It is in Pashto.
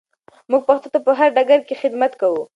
موږ پښتو ته په هر ډګر کې خدمت کوو.